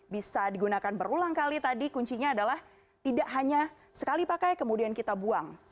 bisa digunakan berulang kali tadi kuncinya adalah tidak hanya sekali pakai kemudian kita buang